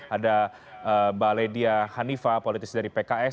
ada mbak ledia hanifa politis dari pks